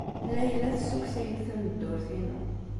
Layla tessukkes-iyi-d tameddurt-inu.